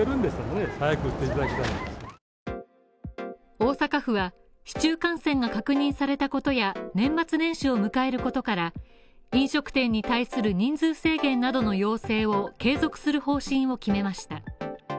大阪府は市中感染が確認されたことや、年末年始を迎えることから飲食店に対する人数制限などの要請を継続する方針を決めました。